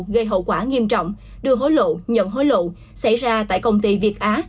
gây hậu quả nghiêm trọng đưa hối lộ nhận hối lộ xảy ra tại công ty việt á